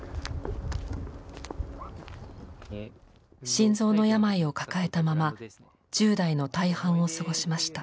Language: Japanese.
心臓の病を抱えたまま１０代の大半を過ごしました。